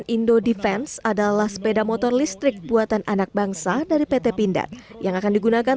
indo defense adalah sepeda motor listrik buatan anak bangsa dari pt pindad yang akan digunakan